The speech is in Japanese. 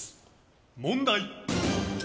問題！